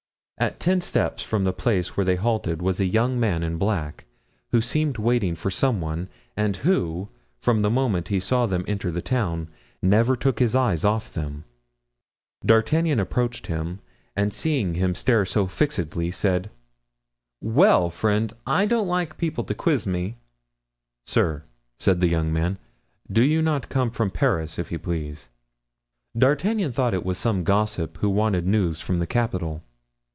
At ten steps from the place where they halted was a young man in black, who seemed waiting for some one, and who, from the moment he saw them enter the town, never took his eyes off them. D'Artagnan approached him, and seeing him stare so fixedly, said: "Well, friend! I don't like people to quiz me!" "Sir," said the young man, "do you not come from Paris, if you please?" D'Artagnan thought it was some gossip who wanted news from the capital.